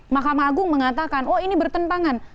mahkamah agung mengatakan oh ini bertentangan